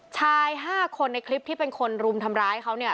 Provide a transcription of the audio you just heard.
ชาย๕คนในคลิปที่เป็นคนรุมทำร้ายเขาเนี่ย